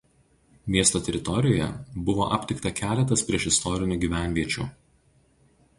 Miesto teritorijoje buvo aptikta keletas priešistorinių gyvenviečių.